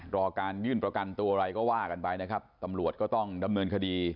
รอการยื่นประกันตัวอะไรก็ว่ากันไปนะครับตำรวจก็ต้องดำเนินคดี